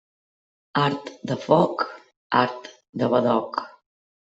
Art de foc, art de badoc.